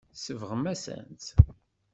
Tsebɣemt-asent-tt.